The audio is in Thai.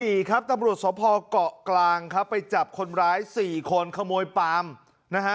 ครับตำรวจสภเกาะกลางครับไปจับคนร้ายสี่คนขโมยปาล์มนะฮะ